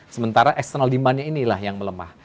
sementara external demandnya inilah yang melemah